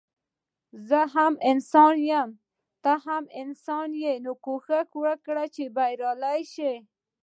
زه هم انسان يم ته هم انسان يي نو کوښښ وکړه چي بريالی شي